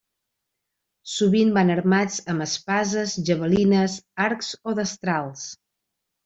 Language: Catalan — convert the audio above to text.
Sovint van armats amb espases, javelines, arcs o destrals.